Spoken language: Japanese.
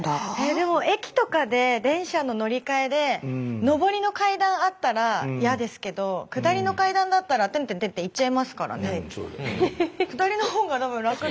でも駅とかで電車の乗り換えで上りの階段あったら嫌ですけど下りの階段だったらテンテンテンテン行っちゃいますからね。